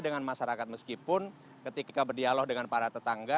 dengan masyarakat meskipun ketika berdialog dengan para tetangga